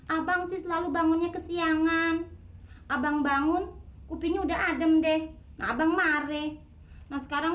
abang selalu bangunnya kesiangan abang bangun kuping udah adem deh abang mare nah sekarang